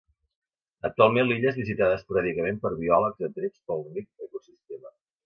Actualment l'illa és visitada esporàdicament per biòlegs atrets pel ric ecosistema.